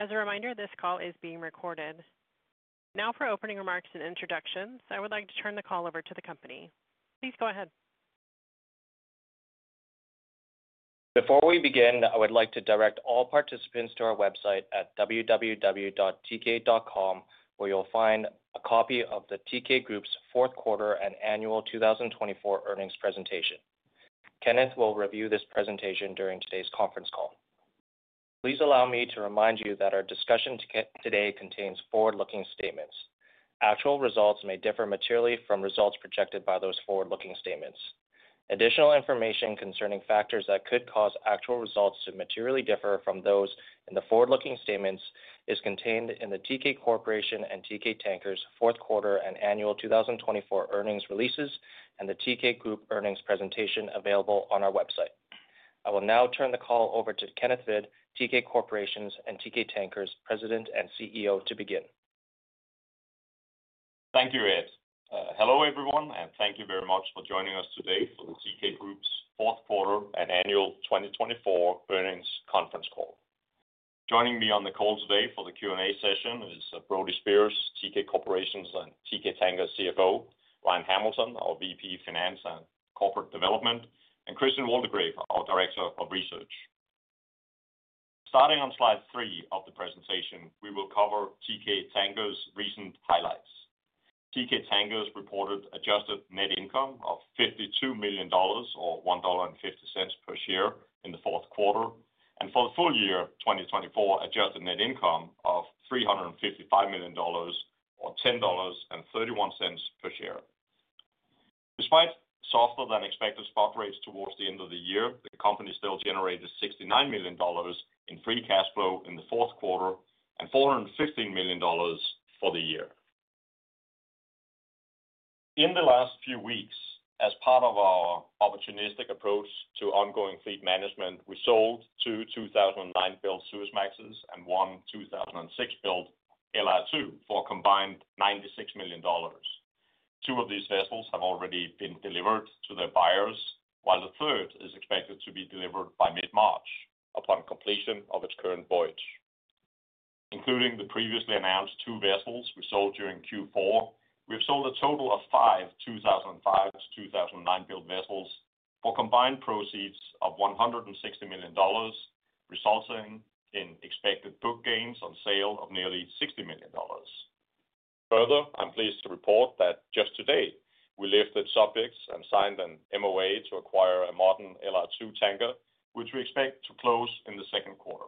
As a reminder, this call is being recorded. Now, for opening remarks and introductions, I would like to turn the call over to the company. Please go ahead. Before we begin, I would like to direct all participants to our website at www.teekay.com, where you'll find a copy of the Teekay Group's fourth quarter and annual 2024 earnings presentation. Kenneth will review this presentation during today's conference call. Please allow me to remind you that our discussion today contains forward-looking statements. Actual results may differ materially from results projected by those forward-looking statements. Additional information concerning factors that could cause actual results to materially differ from those in the forward-looking statements is contained in the Teekay Corporation and Teekay Tankers' fourth quarter and annual 2024 earnings releases and the Teekay Group earnings presentation available on our website. I will now turn the call over to Kenneth Hvid, Teekay Corporation's and Teekay Tankers' President and CEO, to begin. Thank you, Ed. Hello, everyone, and thank you very much for joining us today for the Teekay Group's fourth quarter and annual 2024 earnings conference call. Joining me on the call today for the Q&A session is Brody Speers, Teekay Corporation's and Teekay Tankers' CFO, Ryan Hamilton, our VP of Finance and Corporate Development, and Christian Waldegrave, our Director of Research. Starting on Slide 3 of the presentation, we will cover Teekay Tankers' recent highlights. Teekay Tankers reported adjusted net income of $52 million, or $1.50 per share, in the fourth quarter, and for the full year 2024, adjusted net income of $355 million, or $10.31 per share. Despite softer-than-expected spot rates towards the end of the year, the company still generated $69 million in free cash flow in the fourth quarter and $415 million for the year. In the last few weeks, as part of our opportunistic approach to ongoing fleet management, we sold two 2009-built Suezmaxes and one 2006-built LR2 for a combined $96 million. Two of these vessels have already been delivered to their buyers, while the third is expected to be delivered by mid-March upon completion of its current voyage. Including the previously announced two vessels we sold during Q4, we've sold a total of five 2005 to 2009-built vessels for combined proceeds of $160 million, resulting in expected book gains on sale of nearly $60 million. Further, I'm pleased to report that just today, we lifted subjects and signed an MOA to acquire a modern LR2 tanker, which we expect to close in the second quarter.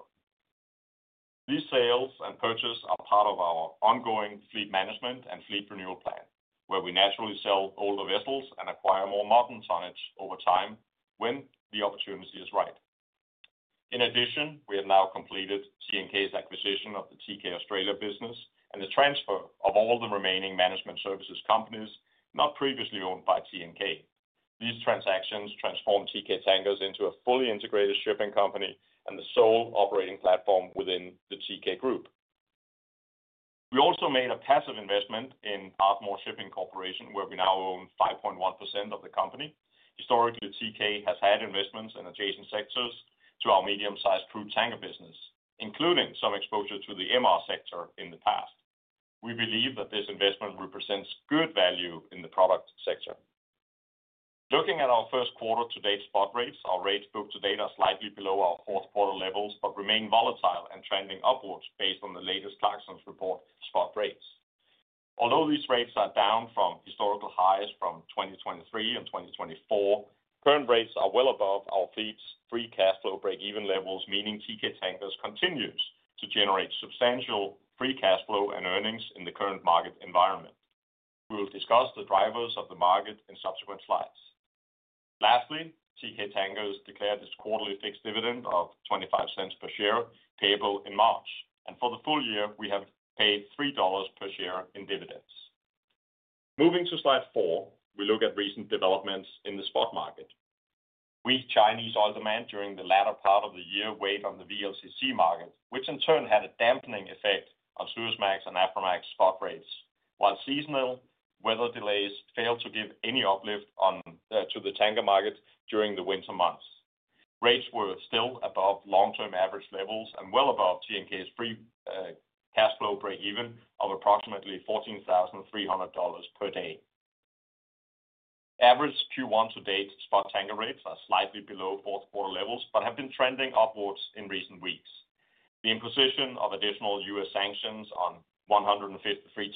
These sales and purchases are part of our ongoing fleet management and fleet renewal plan, where we naturally sell older vessels and acquire more modern tonnage over time when the opportunity is right. In addition, we have now completed TNK's acquisition of the Teekay Australia business and the transfer of all the remaining management services companies not previously owned by TNK. These transactions transform Teekay Tankers into a fully integrated shipping company and the sole operating platform within the Teekay Group. We also made a passive investment in Ardmore Shipping Corporation, where we now own 5.1% of the company. Historically, Teekay has had investments in adjacent sectors to our medium-sized crude tanker business, including some exposure to the MR sector in the past. We believe that this investment represents good value in the product sector. Looking at our first quarter-to-date spot rates, our rates booked to date are slightly below our fourth quarter levels but remain volatile and trending upwards based on the latest Clarksons report spot rates. Although these rates are down from historical highs from 2023 and 2024, current rates are well above our fleet's free cash flow break-even levels, meaning Teekay Tankers continues to generate substantial free cash flow and earnings in the current market environment. We will discuss the drivers of the market in subsequent slides. Lastly, Teekay Tankers declared its quarterly fixed dividend of $0.25 per share payable in March, and for the full year, we have paid $3 per share in dividends. Moving to slide four, we look at recent developments in the spot market. Weak Chinese oil demand during the latter part of the year weighed on the VLCC market, which in turn had a dampening effect on Suezmax and Aframax spot rates, while seasonal weather delays failed to give any uplift to the tanker market during the winter months. Rates were still above long-term average levels and well above TNK's free cash flow break-even of approximately $14,300 per day. Average Q1-to-date spot tanker rates are slightly below fourth quarter levels but have been trending upwards in recent weeks. The imposition of additional U.S. sanctions on 153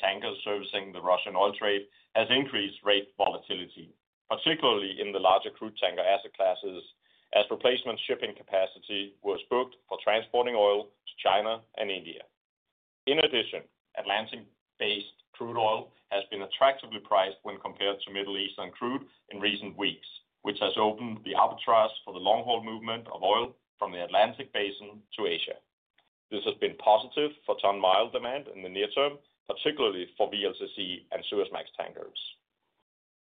tankers servicing the Russian oil trade has increased rate volatility, particularly in the larger crude tanker asset classes, as replacement shipping capacity was booked for transporting oil to China and India. In addition, Atlantic-based crude oil has been attractively priced when compared to Middle Eastern crude in recent weeks, which has opened the arbitrage for the long-haul movement of oil from the Atlantic Basin to Asia. This has been positive for ton-mile demand in the near term, particularly for VLCC and Suezmax tankers.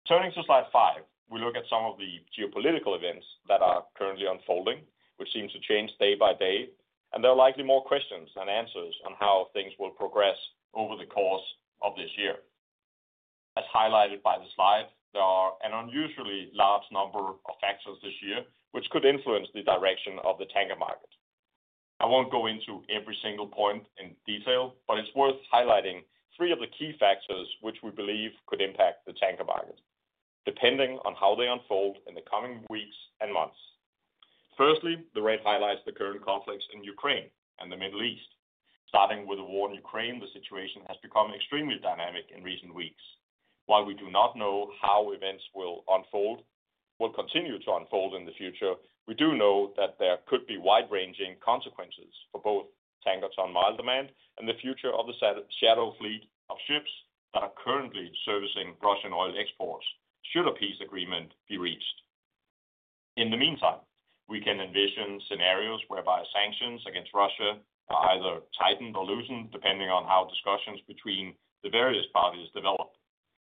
Turning to Slide 5, we look at some of the geopolitical events that are currently unfolding, which seem to change day by day, and there are likely more questions than answers on how things will progress over the course of this year. As highlighted by the slide, there are an unusually large number of factors this year, which could influence the direction of the tanker market. I won't go into every single point in detail, but it's worth highlighting three of the key factors which we believe could impact the tanker market, depending on how they unfold in the coming weeks and months. Firstly, the Red Sea highlights the current conflicts in Ukraine and the Middle East. Starting with the war in Ukraine, the situation has become extremely dynamic in recent weeks. While we do not know how events will unfold in the future, we do know that there could be wide-ranging consequences for both tanker ton-mile demand and the future of the shadow fleet of ships that are currently servicing Russian oil exports should a peace agreement be reached. In the meantime, we can envision scenarios whereby sanctions against Russia are either tightened or loosened, depending on how discussions between the various parties develop.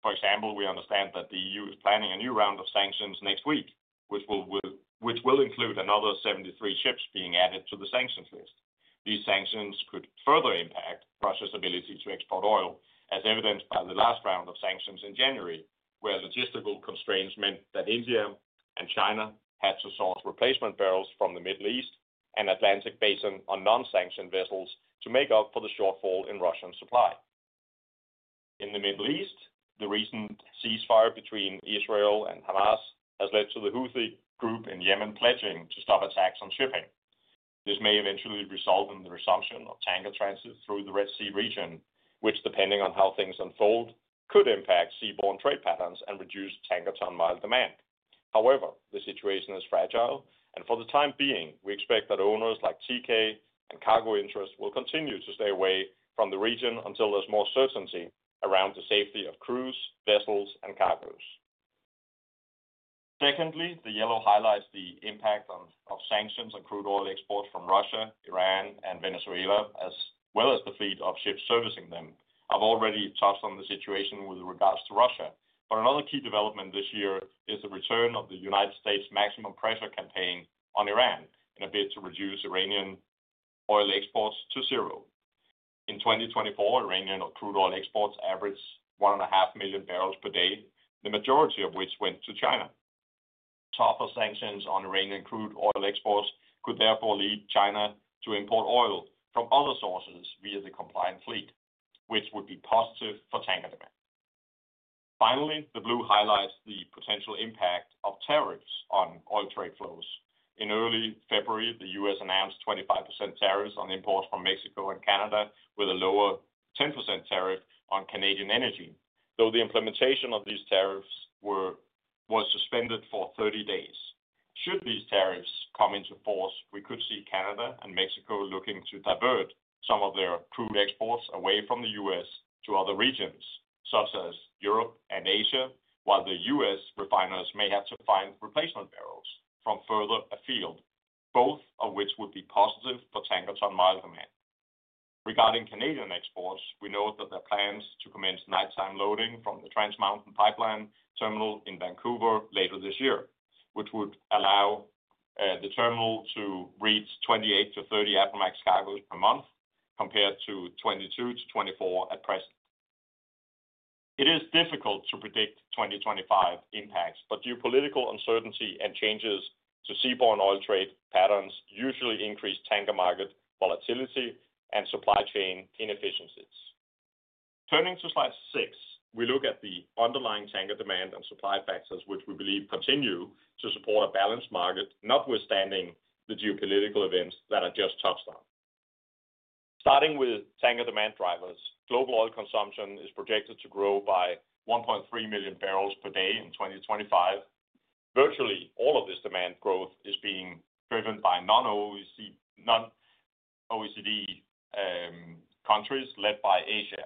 For example, we understand that the EU is planning a new round of sanctions next week, which will include another 73 ships being added to the sanctions list. These sanctions could further impact Russia's ability to export oil, as evidenced by the last round of sanctions in January, where logistical constraints meant that India and China had to source replacement barrels from the Middle East and Atlantic Basin on non-sanctioned vessels to make up for the shortfall in Russian supply. In the Middle East, the recent ceasefire between Israel and Hamas has led to the Houthi group in Yemen pledging to stop attacks on shipping. This may eventually result in the resumption of tanker transit through the Red Sea region, which, depending on how things unfold, could impact seaborne trade patterns and reduce tanker ton-mile demand. However, the situation is fragile, and for the time being, we expect that owners like Teekay and cargo interests will continue to stay away from the region until there's more certainty around the safety of crews, vessels, and cargoes. Secondly, the yellow highlights the impact of sanctions on crude oil exports from Russia, Iran, and Venezuela, as well as the fleet of ships servicing them. I've already touched on the situation with regards to Russia, but another key development this year is the return of the United States' maximum pressure campaign on Iran in a bid to reduce Iranian oil exports to zero. In 2024, Iranian crude oil exports averaged 1.5 million barrels per day, the majority of which went to China. Tougher sanctions on Iranian crude oil exports could therefore lead China to import oil from other sources via the compliant fleet, which would be positive for tanker demand. Finally, the blue highlights the potential impact of tariffs on oil trade flows. In early February, the U.S. announced 25% tariffs on imports from Mexico and Canada, with a lower 10% tariff on Canadian energy, though the implementation of these tariffs was suspended for 30 days. Should these tariffs come into force, we could see Canada and Mexico looking to divert some of their crude exports away from the U.S. to other regions, such as Europe and Asia, while the U.S. refiners may have to find replacement barrels from further afield, both of which would be positive for tanker ton-mile demand. Regarding Canadian exports, we note that there are plans to commence nighttime loading from the Trans Mountain Pipeline terminal in Vancouver later this year, which would allow the terminal to reach 28-30 Aframax cargoes per month compared to 22-24 at present. It is difficult to predict 2025 impacts, but geopolitical uncertainty and changes to seaborne oil trade patterns usually increase tanker market volatility and supply chain inefficiencies. Turning to slide six, we look at the underlying tanker demand and supply factors, which we believe continue to support a balanced market, notwithstanding the geopolitical events that I just touched on. Starting with tanker demand drivers, global oil consumption is projected to grow by 1.3 million barrels per day in 2025. Virtually all of this demand growth is being driven by non-OECD countries led by Asia.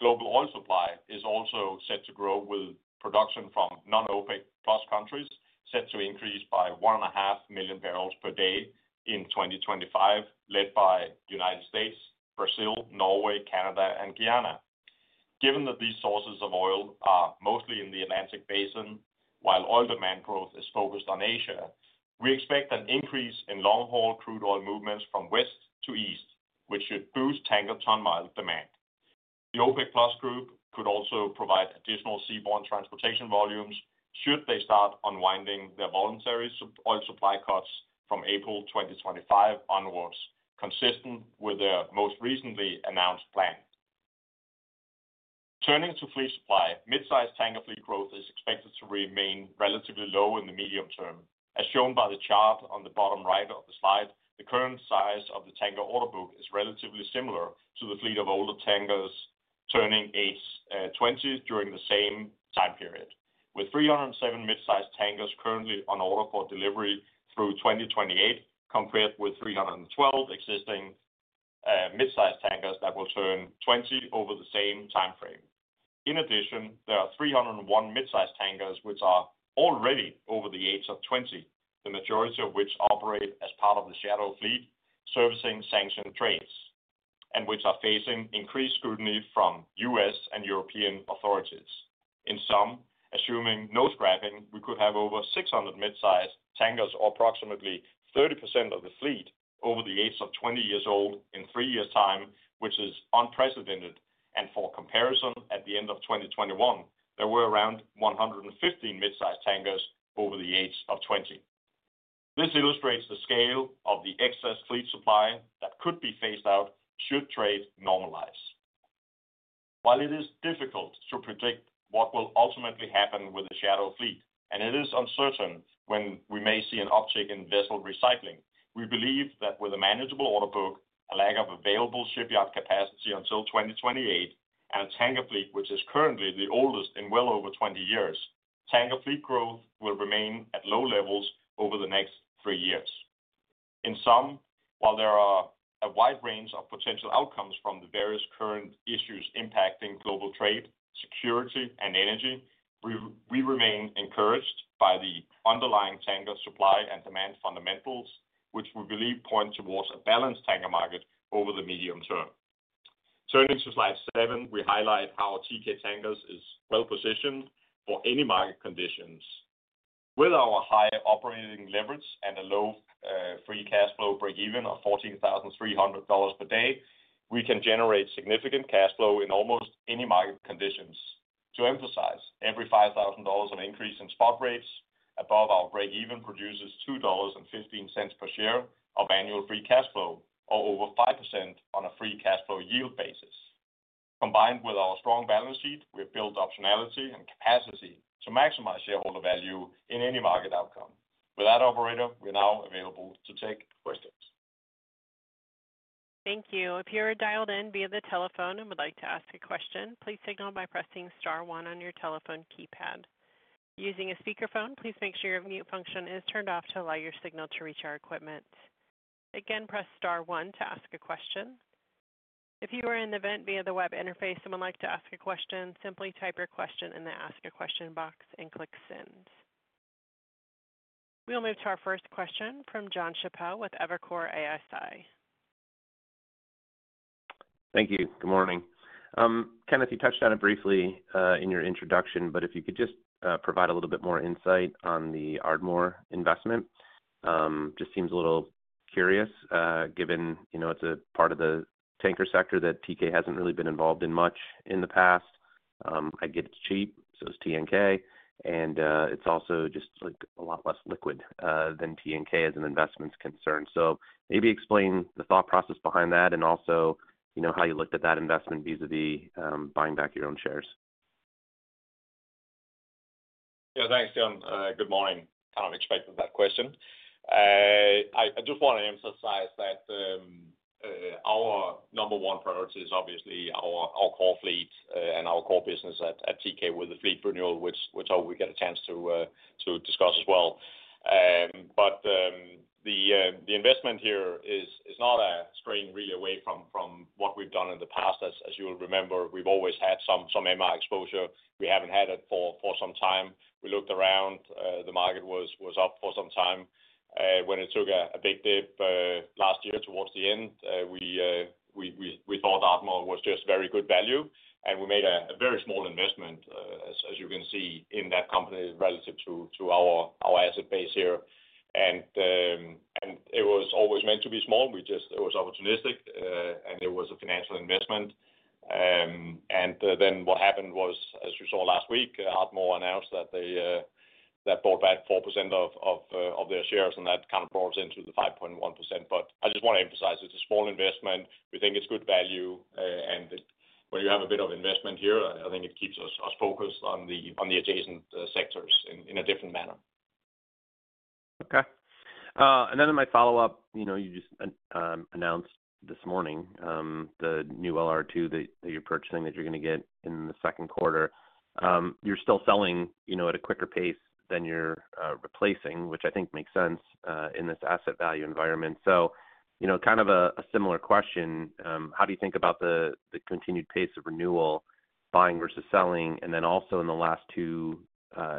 Global oil supply is also set to grow, with production from non-OPEC+ countries set to increase by 1.5 million barrels per day in 2025, led by the United States, Brazil, Norway, Canada, and Guyana. Given that these sources of oil are mostly in the Atlantic Basin, while oil demand growth is focused on Asia, we expect an increase in long-haul crude oil movements from west to east, which should boost tanker ton-mile demand. The OPEC+ group could also provide additional seaborne transportation volumes should they start unwinding their voluntary oil supply cuts from April 2025 onwards, consistent with their most recently announced plan. Turning to fleet supply, mid-size tanker fleet growth is expected to remain relatively low in the medium term, as shown by the chart on the bottom right of the slide. The current size of the tanker order book is relatively similar to the fleet of older tankers turning age 20 during the same time period, with 307 mid-size tankers currently on order for delivery through 2028, compared with 312 existing mid-size tankers that will turn 20 over the same time frame. In addition, there are 301 mid-size tankers which are already over the age of 20, the majority of which operate as part of the shadow fleet servicing sanctioned trades and which are facing increased scrutiny from U.S. and European authorities. In sum, assuming no scrapping, we could have over 600 mid-size tankers or approximately 30% of the fleet over the age of 20 years old in three years' time, which is unprecedented, and for comparison, at the end of 2021, there were around 115 mid-size tankers over the age of 20. This illustrates the scale of the excess fleet supply that could be phased out should trade normalize. While it is difficult to predict what will ultimately happen with the shadow fleet, and it is uncertain when we may see an uptick in vessel recycling, we believe that with a manageable order book, a lack of available shipyard capacity until 2028, and a tanker fleet which is currently the oldest in well over 20 years, tanker fleet growth will remain at low levels over the next three years. In sum, while there are a wide range of potential outcomes from the various current issues impacting global trade, security, and energy, we remain encouraged by the underlying tanker supply and demand fundamentals, which we believe point towards a balanced tanker market over the medium term. Turning to Slide 7, we highlight how Teekay Tankers is well-positioned for any market conditions. With our high operating leverage and a low free cash flow break-even of $14,300 per day, we can generate significant cash flow in almost any market conditions. To emphasize, every $5,000 of increase in spot rates above our break-even produces $2.15 per share of annual free cash flow, or over 5% on a free cash flow yield basis. Combined with our strong balance sheet, we have built optionality and capacity to maximize shareholder value in any market outcome. With that, operator, we're now available to take questions. Thank you. If you're dialed in via the telephone and would like to ask a question, please signal by pressing star one on your telephone keypad. Using a speakerphone, please make sure your mute function is turned off to allow your signal to reach our equipment. Again, press star one to ask a question. If you are in the event via the web interface and would like to ask a question, simply type your question in the ask a question box and click send. We'll move to our first question from Jon Chappell with Evercore ISI. Thank you. Good morning. Kenneth, you touched on it briefly in your introduction, but if you could just provide a little bit more insight on the Ardmore investment. Just seems a little curious, given it's a part of the tanker sector that Teekay hasn't really been involved in much in the past. I get it's cheap, so it's TNK, and it's also just a lot less liquid than TNK as an investment's concern. So maybe explain the thought process behind that and also how you looked at that investment vis-à-vis buying back your own shares. Yeah, thanks, Jon. Good morning. Kind of expected that question. I just want to emphasize that our number one priority is obviously our core fleet and our core business at Teekay with the fleet renewal, which I hope we get a chance to discuss as well. But the investment here is not a strain really away from what we've done in the past. As you'll remember, we've always had some MR exposure. We haven't had it for some time. We looked around. The market was up for some time. When it took a big dip last year towards the end, we thought Ardmore was just very good value, and we made a very small investment, as you can see, in that company relative to our asset base here. And it was always meant to be small. It was opportunistic, and it was a financial investment. And then what happened was, as you saw last week, Ardmore announced that they bought back 4% of their shares, and that kind of brought us into the 5.1%. But I just want to emphasize it's a small investment. We think it's good value, and when you have a bit of investment here, I think it keeps us focused on the adjacent sectors in a different manner. Okay. And then in my follow-up, you just announced this morning the new LR2 that you're purchasing that you're going to get in the second quarter. You're still selling at a quicker pace than you're replacing, which I think makes sense in this asset value environment. So kind of a similar question, how do you think about the continued pace of renewal, buying versus selling, and then also in the last two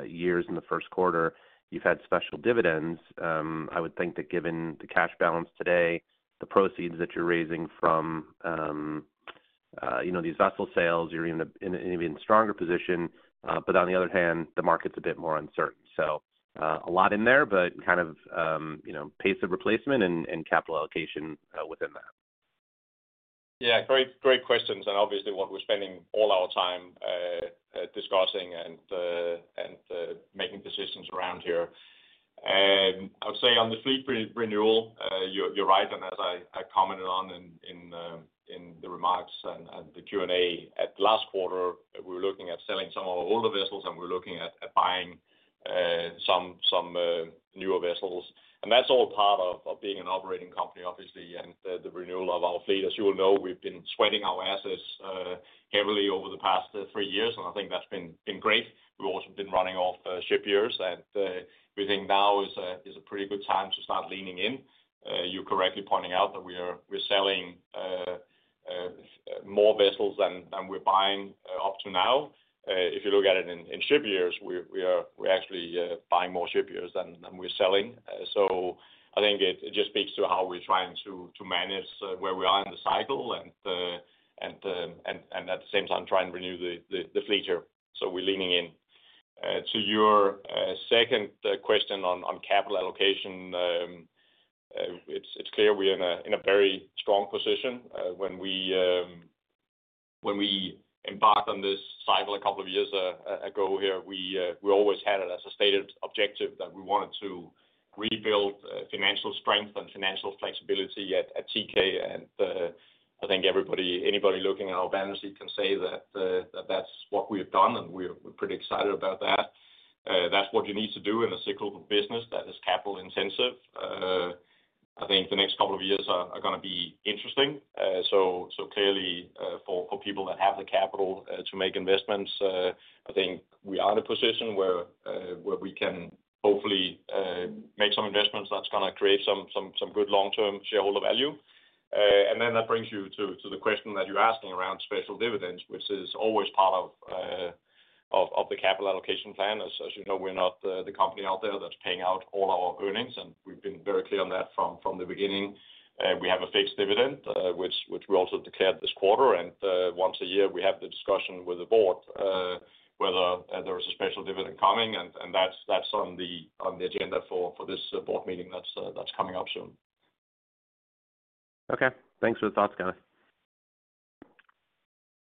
years in the first quarter, you've had special dividends. I would think that given the cash balance today, the proceeds that you're raising from these vessel sales, you're in an even stronger position. But on the other hand, the market's a bit more uncertain. So a lot in there, but kind of pace of replacement and capital allocation within that. Yeah, great questions. And obviously, what we're spending all our time discussing and making decisions around here. I would say on the fleet renewal, you're right. And as I commented on in the remarks and the Q&A at the last quarter, we were looking at selling some of our older vessels, and we're looking at buying some newer vessels. And that's all part of being an operating company, obviously, and the renewal of our fleet. As you will know, we've been sweating our assets heavily over the past three years, and I think that's been great. We've also been running off ship years, and we think now is a pretty good time to start leaning in. You're correctly pointing out that we're selling more vessels than we're buying up to now. If you look at it in ship years, we're actually buying more ship years than we're selling. So I think it just speaks to how we're trying to manage where we are in the cycle and at the same time trying to renew the fleet here. So we're leaning in. To your second question on capital allocation, it's clear we're in a very strong position. When we embarked on this cycle a couple of years ago here, we always had it as a stated objective that we wanted to rebuild financial strength and financial flexibility at Teekay. I think anybody looking at our balance sheet can say that that's what we have done, and we're pretty excited about that. That's what you need to do in a cyclical business that is capital-intensive. I think the next couple of years are going to be interesting. Clearly, for people that have the capital to make investments, I think we are in a position where we can hopefully make some investments that's going to create some good long-term shareholder value. That brings you to the question that you're asking around special dividends, which is always part of the capital allocation plan. As you know, we're not the company out there that's paying out all our earnings, and we've been very clear on that from the beginning. We have a fixed dividend, which we also declared this quarter. And once a year, we have the discussion with the board whether there is a special dividend coming, and that's on the agenda for this board meeting that's coming up soon. Okay. Thanks for the thoughts, Kenneth.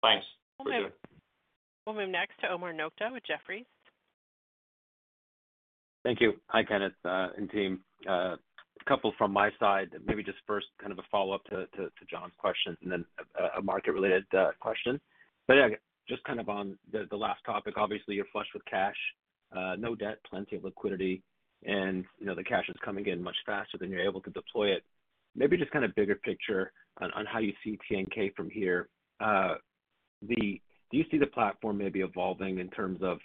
Thanks. Appreciate it. We'll move next to Omar Nokta with Jefferies. Thank you. Hi, Kenneth and team. A couple from my side, maybe just first kind of a follow-up to Jon's question and then a market-related question. But yeah, just kind of on the last topic, obviously, you're flush with cash, no debt, plenty of liquidity, and the cash is coming in much faster than you're able to deploy it. Maybe just kind of bigger picture on how you see TNK from here. Do you see the platform maybe evolving in terms of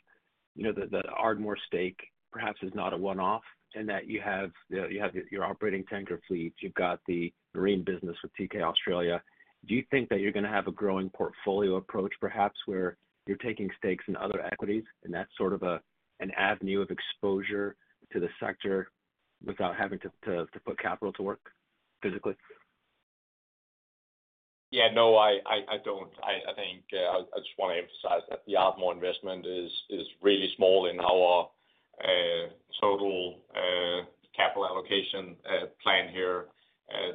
the Ardmore stake perhaps is not a one-off and that you have your operating tanker fleet, you've got the marine business with Teekay Australia? Do you think that you're going to have a growing portfolio approach perhaps where you're taking stakes in other equities and that's sort of an avenue of exposure to the sector without having to put capital to work physically? Yeah, no, I don't. I think I just want to emphasize that the Ardmore investment is really small in our total capital allocation plan here.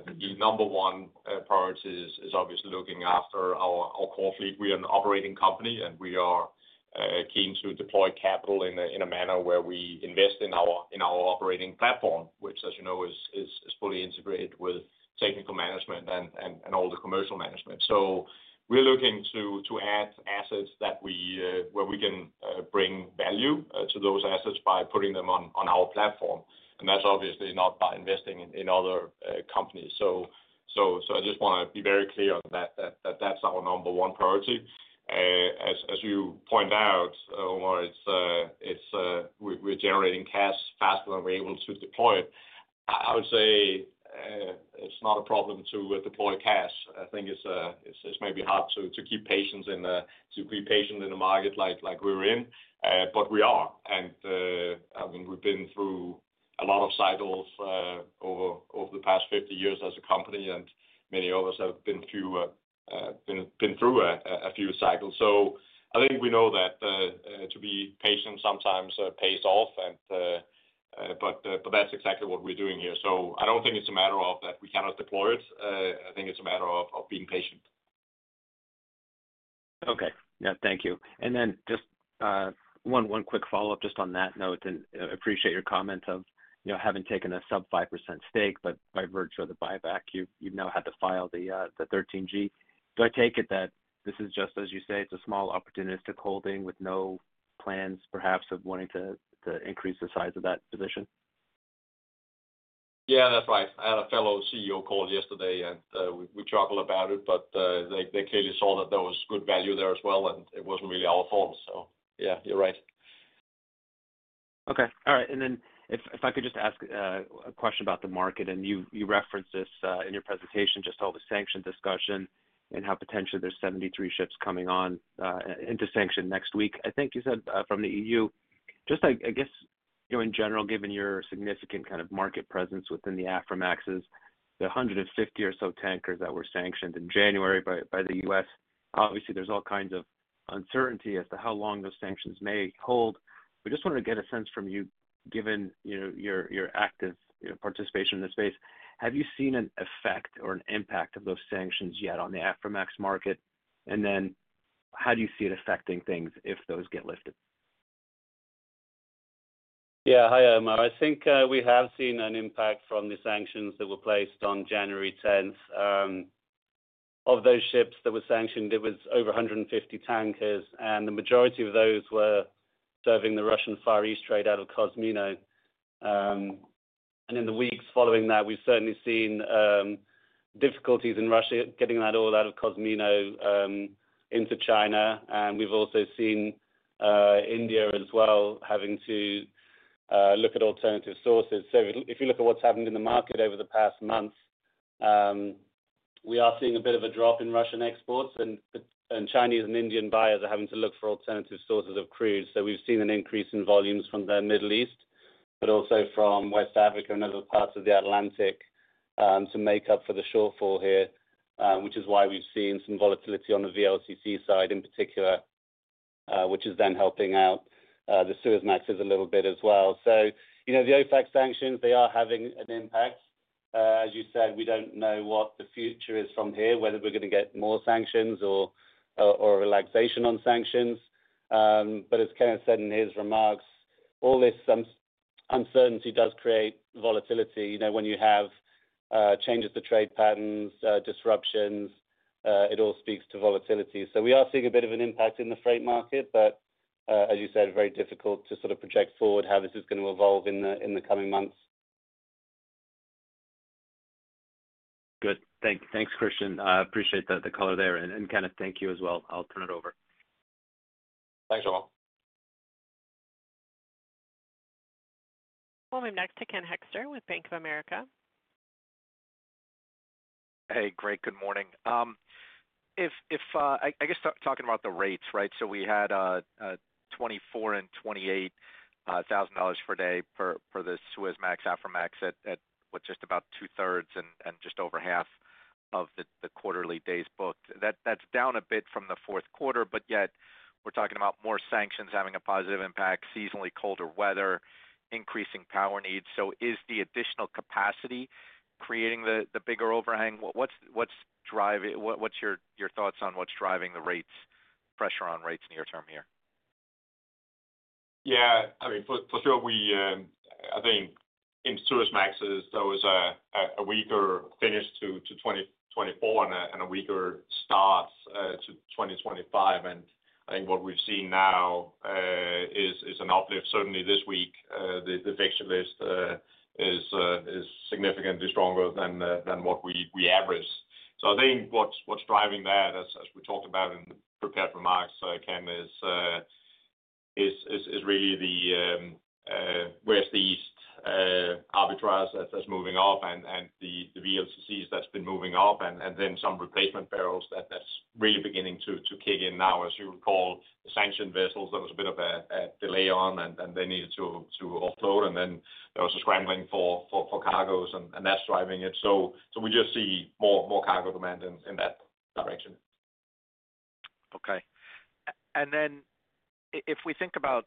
The number one priority is obviously looking after our core fleet. We are an operating company, and we are keen to deploy capital in a manner where we invest in our operating platform, which, as you know, is fully integrated with technical management and all the commercial management. So we're looking to add assets where we can bring value to those assets by putting them on our platform. And that's obviously not by investing in other companies. So I just want to be very clear on that that's our number one priority. As you point out, Omar, we're generating cash faster than we're able to deploy it. I would say it's not a problem to deploy cash. I think it's maybe hard to be patient in the market like we're in, but we are. And I mean, we've been through a lot of cycles over the past 50 years as a company, and many of us have been through a few cycles. So I think we know that to be patient sometimes pays off, but that's exactly what we're doing here. So I don't think it's a matter of that we cannot deploy it. I think it's a matter of being patient. Okay. Yeah, thank you. And then just one quick follow-up just on that note, and I appreciate your comment of having taken a -5% stake, but by virtue of the buyback, you've now had to file the 13G. Do I take it that this is just, as you say, it's a small opportunistic holding with no plans perhaps of wanting to increase the size of that position? Yeah, that's right. I had a fellow CEO call yesterday, and we chuckled about it, but they clearly saw that there was good value there as well, and it wasn't really our fault. So yeah, you're right. Okay. All right. And then if I could just ask a question about the market, and you referenced this in your presentation, just all the sanctions discussion and how potentially there's 73 ships coming on into sanctions next week. I think you said from the EU. Just, I guess, in general, given your significant kind of market presence within the Aframaxes, the 150 or so tankers that were sanctioned in January by the U.S., obviously, there's all kinds of uncertainty as to how long those sanctions may hold. We just wanted to get a sense from you, given your active participation in this space. Have you seen an effect or an impact of those sanctions yet on the Aframax market? And then how do you see it affecting things if those get lifted? Yeah. Hi, Omar. I think we have seen an impact from the sanctions that were placed on January 10th. Of those ships that were sanctioned, it was over 150 tankers, and the majority of those were serving the Russian Far East trade out of Kozmino. And in the weeks following that, we've certainly seen difficulties in Russia getting that oil out of Kozmino into China. And we've also seen India as well having to look at alternative sources. So if you look at what's happened in the market over the past month, we are seeing a bit of a drop in Russian exports, and Chinese and Indian buyers are having to look for alternative sources of crude. So we've seen an increase in volumes from the Middle East, but also from West Africa and other parts of the Atlantic to make up for the shortfall here, which is why we've seen some volatility on the VLCC side in particular, which is then helping out the Suezmaxes a little bit as well. So the OFAC sanctions, they are having an impact. As you said, we don't know what the future is from here, whether we're going to get more sanctions or a relaxation on sanctions. But as Kenneth said in his remarks, all this uncertainty does create volatility. When you have changes to trade patterns, disruptions, it all speaks to volatility. So we are seeing a bit of an impact in the freight market, but as you said, very difficult to sort of project forward how this is going to evolve in the coming months. Good. Thanks, Christian. I appreciate the color there. And Kenneth, thank you as well. I'll turn it over. Thanks, Omar. We'll move next to Ken Hoexter with Bank of America. Hey, great. Good morning. I guess talking about the rates, right? So we had $24,000 and $28,000 per day for the Suezmax, Aframax at just about two-thirds and just over half of the quarterly days booked. That's down a bit from the fourth quarter, but yet we're talking about more sanctions having a positive impact, seasonally colder weather, increasing power needs. So is the additional capacity creating the bigger overhang? What's your thoughts on what's driving the rates, pressure on rates near term here? Yeah. I mean, for sure, I think in Suezmaxes, there was a weaker finish to 2024 and a weaker start to 2025. And I think what we've seen now is an uplift. Certainly this week, the fixed list is significantly stronger than what we averaged. So I think what's driving that, as we talked about in the prepared remarks, Ken, is really the West East arbitrage that's moving up and the VLCCs that's been moving up, and then some replacement barrels that's really beginning to kick in now. As you recall, the sanctioned vessels, there was a bit of a delay on, and they needed to offload, and then there was a scrambling for cargoes, and that's driving it. So we just see more cargo demand in that direction. Okay. And then if we think about,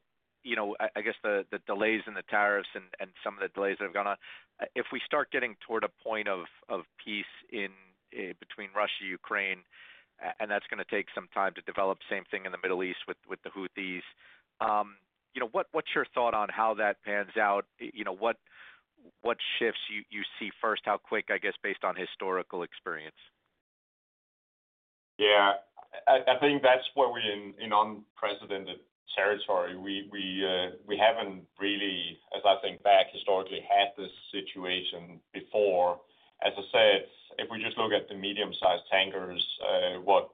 I guess, the delays in the tariffs and some of the delays that have gone on, if we start getting toward a point of peace between Russia, Ukraine, and that's going to take some time to develop, same thing in the Middle East with the Houthis, what's your thought on how that pans out? What shifts you see first? How quick, I guess, based on historical experience? Yeah. I think that's where we're in unprecedented territory. We haven't really, as I think back historically, had this situation before. As I said, if we just look at the medium-sized tankers, what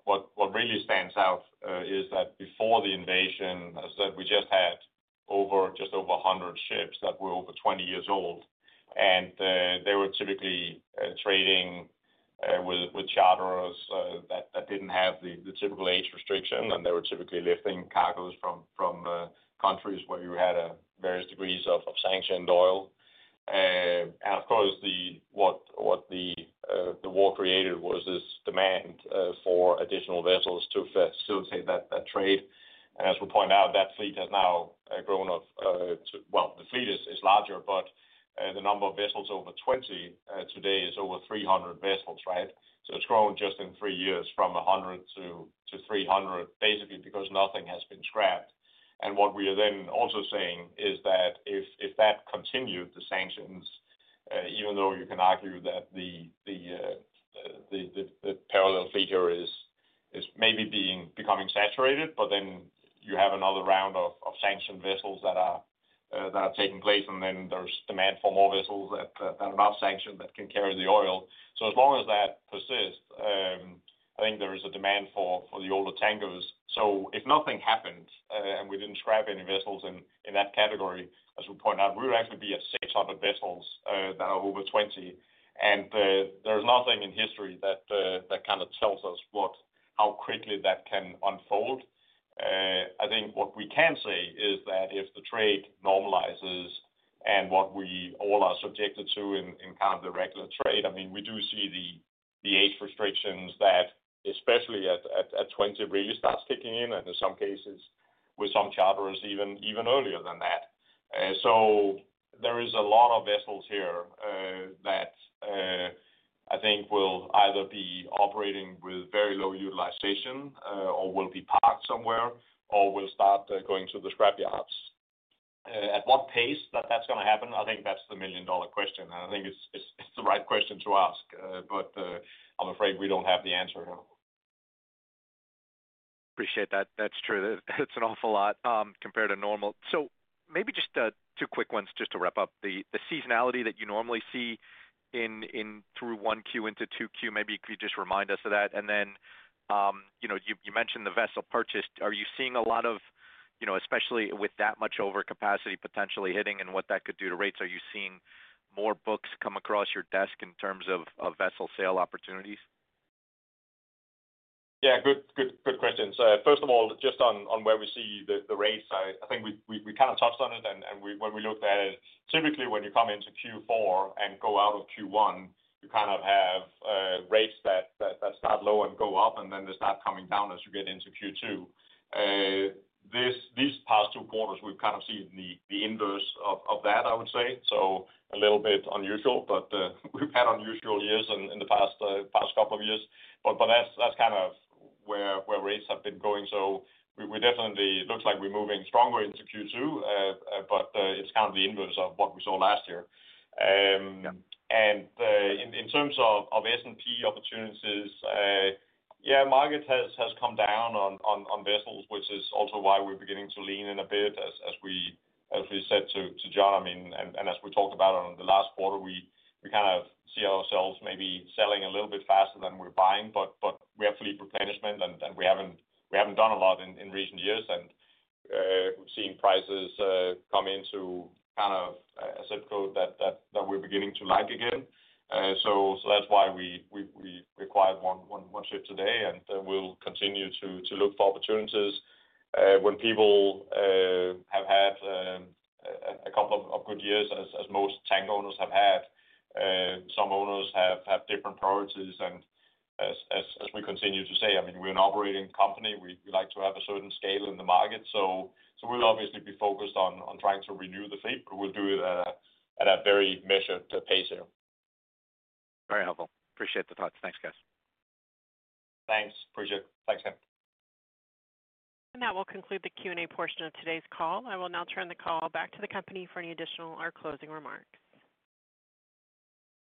really stands out is that before the invasion, as I said, we just had over 100 ships that were over 20 years old. They were typically trading with charterers that didn't have the typical age restriction, and they were typically lifting cargoes from countries where you had various degrees of sanctioned oil. And of course, what the war created was this demand for additional vessels to facilitate that trade. And as we point out, that fleet has now grown to, well, the fleet is larger, but the number of vessels over 20 today is over 300 vessels, right? So it's grown just in three years from 100 to 300, basically because nothing has been scrapped. And what we are then also saying is that if that continued, the sanctions, even though you can argue that the shadow fleet here is maybe becoming saturated, but then you have another round of sanctioned vessels that are taking place, and then there's demand for more vessels that are not sanctioned that can carry the oil. So as long as that persists, I think there is a demand for the older tankers. So if nothing happened and we didn't scrap any vessels in that category, as we point out, we would actually be at 600 vessels that are over 20. And there is nothing in history that kind of tells us how quickly that can unfold. I think what we can say is that if the trade normalizes and what we all are subjected to in kind of the regular trade, I mean, we do see the age restrictions that especially at 20 really starts kicking in, and in some cases with some charterers even earlier than that. So there is a lot of vessels here that I think will either be operating with very low utilization or will be parked somewhere or will start going to the scrapyards. At what pace that's going to happen, I think that's the million-dollar question. And I think it's the right question to ask, but I'm afraid we don't have the answer here. Appreciate that. That's true. That's an awful lot compared to normal. So maybe just two quick ones just to wrap up. The seasonality that you normally see through Q1 into Q2, maybe if you just remind us of that. And then you mentioned the vessel purchase. Are you seeing a lot of, especially with that much overcapacity potentially hitting and what that could do to rates, are you seeing more books come across your desk in terms of vessel sale opportunities? Yeah. Good question. So first of all, just on where we see the rates, I think we kind of touched on it, and when we looked at it, typically when you come into Q4 and go out of Q1, you kind of have rates that start low and go up, and then they start coming down as you get into Q2. These past two quarters, we've kind of seen the inverse of that, I would say. So a little bit unusual, but we've had unusual years in the past couple of years. But that's kind of where rates have been going. So it definitely looks like we're moving stronger into Q2, but it's kind of the inverse of what we saw last year. And in terms of S&P opportunities, yeah, market has come down on vessels, which is also why we're beginning to lean in a bit, as we said to Jon. I mean, and as we talked about on the last quarter, we kind of see ourselves maybe selling a little bit faster than we're buying, but we have fleet replenishment, and we haven't done a lot in recent years, and we've seen prices come into kind of a zip code that we're beginning to like again, so that's why we acquired one ship today, and we'll continue to look for opportunities. When people have had a couple of good years, as most tank owners have had, some owners have different priorities, and as we continue to say, I mean, we're an operating company. We like to have a certain scale in the market, so we'll obviously be focused on trying to renew the fleet, but we'll do it at a very measured pace here. Very helpful. Appreciate the thoughts. Thanks, guys. Thanks. Appreciate it. Thanks, Ken. And that will conclude the Q&A portion of today's call. I will now turn the call back to the company for any additional or closing remarks.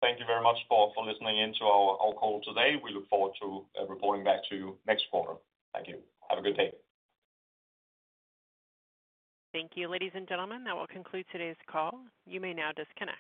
Thank you very much for listening in to our call today. We look forward to reporting back to you next quarter. Thank you. Have a good day. Thank you, ladies and gentlemen. That will conclude today's call. You may now disconnect.